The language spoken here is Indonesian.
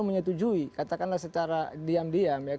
menyetujui katakanlah secara diam diam